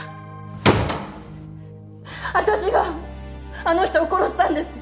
私があの人を殺したんです！